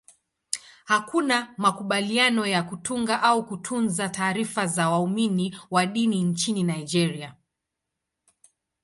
Hakuna makubaliano ya kutunga au kutunza taarifa za waumini wa dini nchini Nigeria.